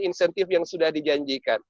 insentif yang sudah dijanjikan